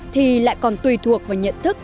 thì lại còn tùy thuộc vào nhận thức